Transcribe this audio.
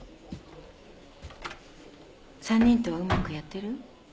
３人とはうまくやってる？